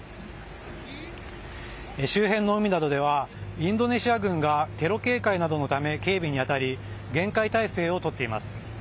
周辺の海などでは、インドネシア軍がテロ警戒などのため、警備に当たり、厳戒態勢を取っています。